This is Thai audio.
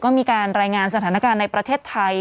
ก็มีการรายงานสถานการณ์ในประเทศไทย